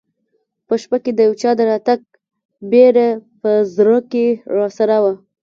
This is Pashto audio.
په شپه کې د یو چا د راتګ بېره په زړه کې راسره وه.